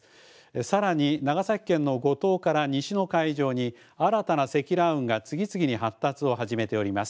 さらに長崎県の五島から西の海上に新たな積乱雲が次々と発達を始めております。